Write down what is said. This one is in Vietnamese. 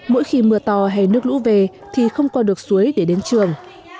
mỗi khi mưa to hay nước lũ về thì không qua được suối để đến trường